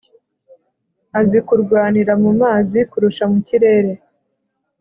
azi kurwanira mu mazi kurusha mu kirere